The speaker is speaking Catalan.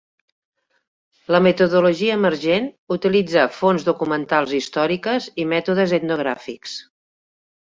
La metodologia emergent utilitza fonts documentals històriques i mètodes etnogràfics.